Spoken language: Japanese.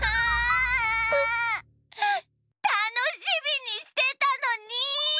たのしみにしてたのに！